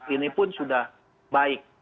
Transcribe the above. ini pun sudah baik